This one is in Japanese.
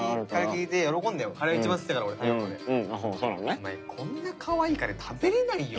お前こんなかわいいカレー食べられないよ。